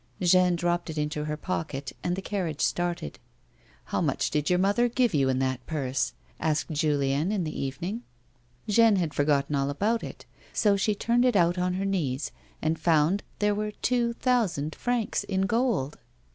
Jeanne dropped it into her pocket and the carriage started. " How much did your mother give you in that purse ?" asked Julien in the evening'. Jeanne had forgotten all about it, so she turned it out on her knees, and found there were two thousand francs in gold.